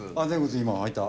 今履いた。